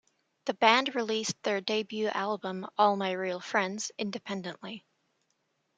The band released their debut album "All My Real Friends" independently.